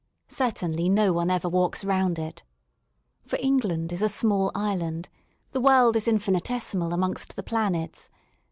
Cer tainly no one ever walks round it. For England is a small island, the world is infinitesimal amongst the planets.